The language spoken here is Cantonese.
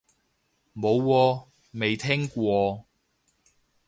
冇喎，未聽過